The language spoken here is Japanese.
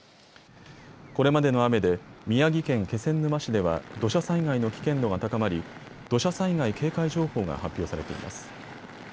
これまでの雨で宮城県気仙沼市では土砂災害の危険度が高まり土砂災害警戒情報が発表されています。